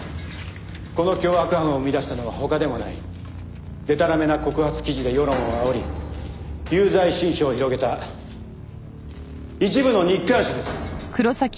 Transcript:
この脅迫犯を生み出したのは他でもないでたらめな告発記事で世論をあおり有罪心証を広げた一部の日刊紙です。